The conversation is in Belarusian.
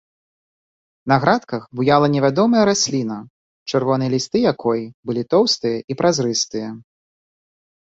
На градках буяла невядомая расліна, чырвоныя лісты якой былі тоўстыя і празрыстыя.